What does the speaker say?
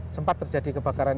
sempat terjadi kebakaran